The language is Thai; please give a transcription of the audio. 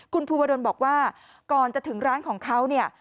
คุณภูวดลบอกว่าก่อนจะถึงร้านของเขาเนี่ย